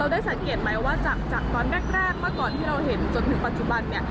เราได้สังเกตไหมว่าจากตอนแรกมาก่อนที่เราเห็นจนถึงปัจจุบัน